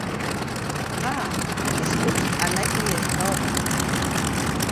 Ah, this looks a likely spot.